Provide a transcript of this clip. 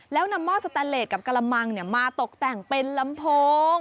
แล้วนำหม้อสแตนเลสกับกระมังมาตกแต่งเป็นลำโพง